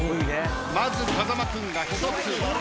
まず風間君が１つ。